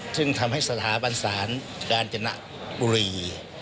ซึ่งทำให้สถาบันสารจนนะปุรี